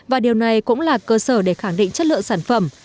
và điều này cũng là cơ sở để khẳng định chất lượng sản phẩm